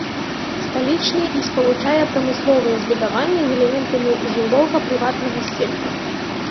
Сталічны і спалучае прамысловыя збудаванні з элементамі жылога прыватнага сектара.